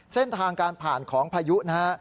เส้นทางการผ่านของพายุนะฮะ